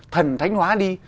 thần thánh hóa đi